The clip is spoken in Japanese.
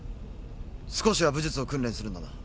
少しは武術を訓練するんだな。